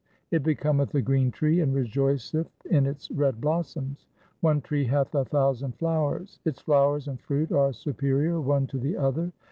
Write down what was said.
It becometh a green tree, and rejoiceth in its red blossoms. One tree hath a thousand flowers ; its flowers and fruit are superior one to the other.